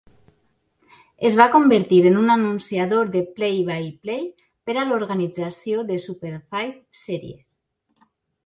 Es va convertir en un anunciador de "play-by-play" per a l'organització a Superfight Series.